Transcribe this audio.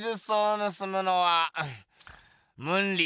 ぬすむのはムンリ・ヨソー。